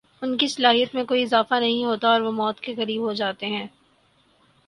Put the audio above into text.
ان کی صلاحیت میں کوئی اضافہ نہیں ہوتا اور وہ موت کےقریب ہوجاتے ہیں